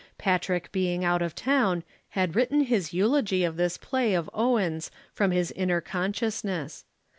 Patrick being out of town, had written his eulogy of this play of Owen's from his inner consciousness.